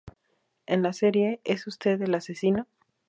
En la serie "¿Es usted el asesino?